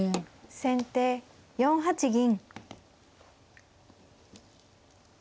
先手４八銀。